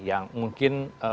ya mungkin juga